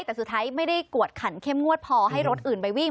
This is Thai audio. แต่สุดท้ายไม่ได้กวดขันเข้มงวดพอให้รถอื่นไปวิ่ง